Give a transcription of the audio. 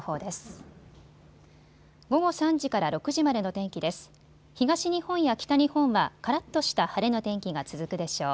東日本や北日本はからっとした晴れの天気が続くでしょう。